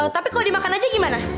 tapi kalau dimakan aja gimana